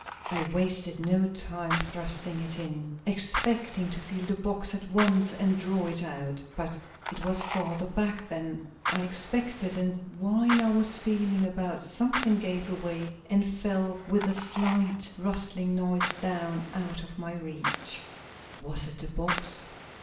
I wasted no time thrusting it in, expecting to feel the box at once and draw it out. But it was farther back than I expected, and while I was feeling about something gave way and fell with a slight, rustling noise down out of my reach. Was it the box?